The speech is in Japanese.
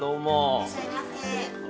いらっしゃいませ。